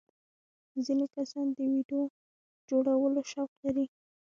ځینې کسان د ویډیو جوړولو شوق لري.